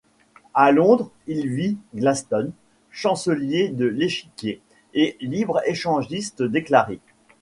À Londres, il vit Gladstone, chancelier de l'Échiquier et libre-échangiste déclaré.